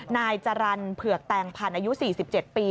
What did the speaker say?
นายจรรย์เผือกแต่งผ่านอายุ๔๗ปี